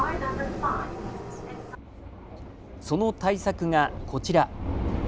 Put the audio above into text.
その対策がこちら。